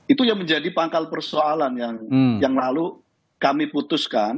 itu yang menjadi pangkal persoalan yang lalu kami putuskan